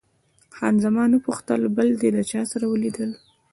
خان زمان وپوښتل، بل دې له چا سره ولیدل؟